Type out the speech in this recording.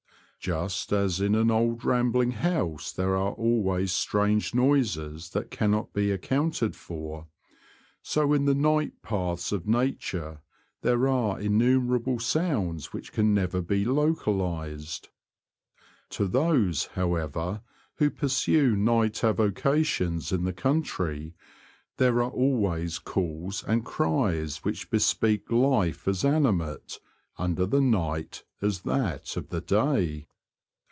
Just as in an old ram bling house there are always strange noises that cannot be accounted for, so in the night paths of nature there are in numerable sounds which can never be localised. To those, however, who pursue night avocations in the country, there are always calls and cries which bespeak life as animate under the night as that of the day.